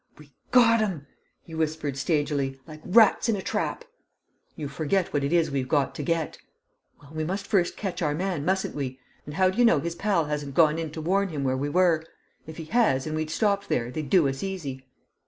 "We got 'em," he whispered, stagily, "like rats in a trap!" "You forget what it is we've got to get." "Well, we must first catch our man, mustn't we? And how d'ye know his pal hasn't gone in to warn him where we were? If he has, and we'd stopped there, they'd do us easy."